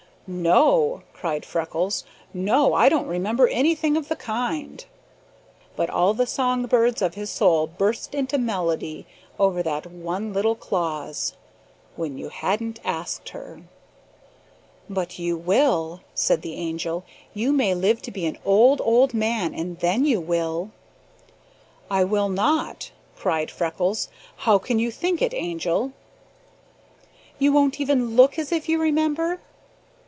"No!" cried Freckles. "No! I don't remember anything of the kind!" But all the songbirds of his soul burst into melody over that one little clause: "When you hadn't asked her." "But you will," said the Angel. "You may live to be an old, old man, and then you will." "I will not!" cried Freckles. "How can you think it, Angel?" "You won't even LOOK as if you remember?"